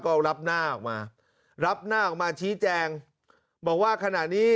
ก็รับหน้าออกมารับหน้าออกมาชี้แจงบอกว่าขณะนี้